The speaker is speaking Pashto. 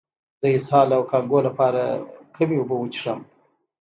د اسهال او کانګو لپاره کومې اوبه وڅښم؟